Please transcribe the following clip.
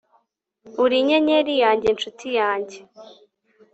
uri inyenyeri yanjye, nshuti yanjye